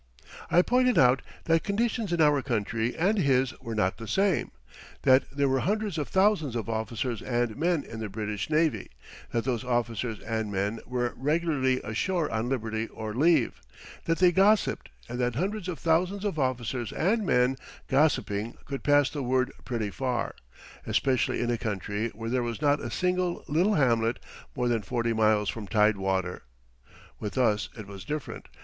I pointed out that conditions in our country and his were not the same. That there were hundreds of thousands of officers and men in the British navy; that those officers and men were regularly ashore on liberty or leave; that they gossiped, and that hundreds of thousands of officers and men gossiping could pass the word pretty far, especially in a country where there was not a single little hamlet more than 40 miles from tide water. With us it was different.